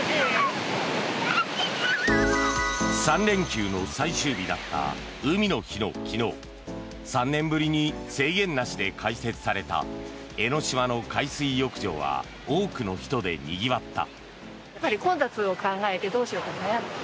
３連休の最終日だった海の日の昨日３年ぶりに制限なしで開設された江の島の海水浴場は多くの人でにぎわった。